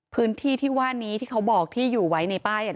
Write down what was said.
พื้นที่ที่ว่านี้ที่เขาบอกที่อยู่ไว้ในป้าย